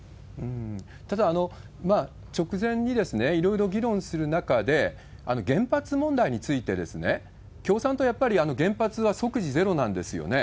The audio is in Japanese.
ただ、直前にいろいろ議論する中で、原発問題について、共産党やっぱり原発は即時ゼロなんですよね。